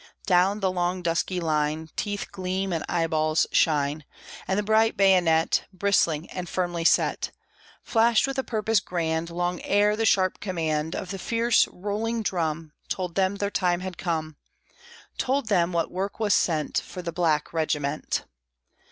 Down the long dusky line Teeth gleam and eyeballs shine; And the bright bayonet, Bristling and firmly set, Flashed with a purpose grand, Long ere the sharp command Of the fierce rolling drum Told them their time had come, Told them what work was sent For the black regiment.